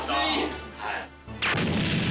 はい。